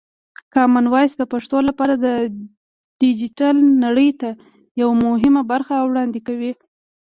کامن وایس د پښتو لپاره د ډیجیټل نړۍ ته یوه مهمه برخه وړاندې کوي.